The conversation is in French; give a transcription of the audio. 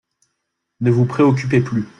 Ne vous préoccupez plus.